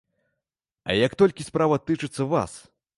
А як толькі справа тычыцца вас!